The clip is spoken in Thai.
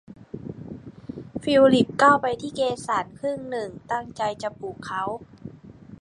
ฟิลิปก้าวไปที่เกรสันครึ่งหนึ่งตั้งใจจะปลุกเขา